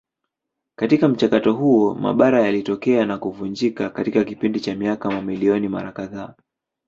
Katika mchakato huo mabara yalitokea na kuvunjika katika kipindi cha miaka mamilioni mara kadhaa.